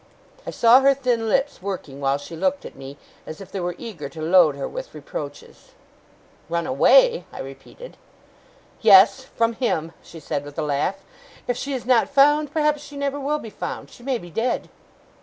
I saw her thin lips working while she looked at me, as if they were eager to load her with reproaches. 'Run away?' I repeated. 'Yes! From him,' she said, with a laugh. 'If she is not found, perhaps she never will be found. She may be dead!